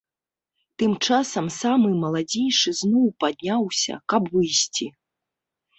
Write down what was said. Тым часам самы маладзейшы зноў падняўся, каб выйсці.